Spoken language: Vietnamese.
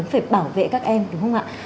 cũng phải bảo vệ các em đúng không ạ đúng ạ